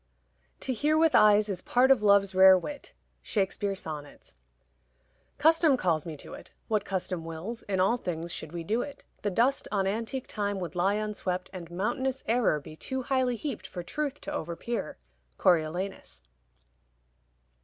To hear with eyes is part of love's rare wit. SHAKESPEARE: Sonnets. Custom calls me to't; What custom wills, in all things should we do't. The dust on antique time would lie unswept, And mountainous error be too highly heaped For truth to over peer. _Coriolanus.